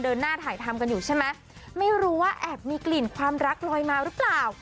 หน้าถ่ายทำกันอยู่ใช่ไหมไม่รู้ว่าแอบมีกลิ่นความรักลอยมาหรือเปล่า